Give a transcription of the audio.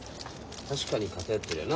確かに偏ってるよな。